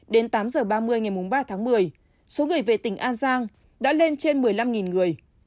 đến tám h ba mươi ngày ba tháng một mươi số người về tỉnh an giang đã lên trên một mươi năm người